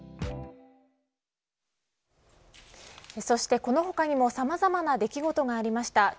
そして、この他にもさまざまな出来事がありました。